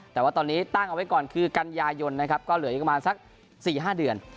แต่ว่าตอนนี้ตั้งเอาไว้ก่อนคือกันยายนนะครับก็เหลืออีกประมาณสัก๔๕เดือน